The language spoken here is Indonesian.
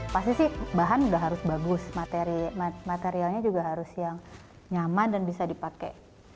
pasti sih bahan udah harus bagus materialnya juga harus yang nyaman dan bisa dipakai